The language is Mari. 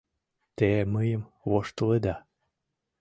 — Те мыйым воштылыда.